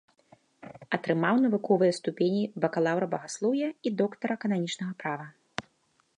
Атрымаў навуковыя ступені бакалаўра багаслоўя і доктара кананічнага права.